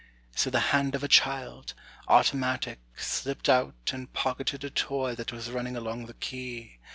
â So the hand of a child, automatic Slipped out and pocketed a toy that was running along the quay.